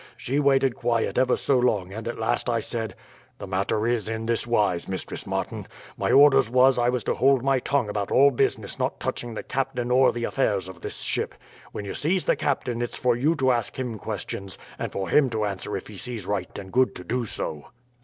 She waited quiet ever so long and at last I said: "'The matter is in this wise, Mistress Martin. My orders was I was to hold my tongue about all business not touching the captain or the affairs of this ship. When you sees the captain it's for you to ask him questions, and for him to answer if he sees right and good to do so.'